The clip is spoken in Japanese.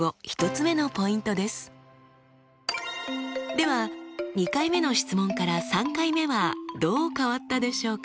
では２回目の質問から３回目はどう変わったでしょうか？